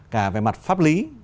cả về mặt pháp lý